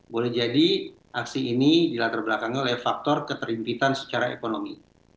boleh jadi aksi ini dilatar belakangnya oleh faktor keterlimpitan secara ekonomi